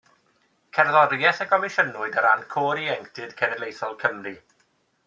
Cerddoriaeth a gomisiynwyd ar ran Côr Ieuenctid Cenedlaethol Cymru.